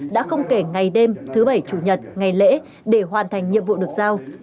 đã không kể ngày đêm thứ bảy chủ nhật ngày lễ để hoàn thành nhiệm vụ được giao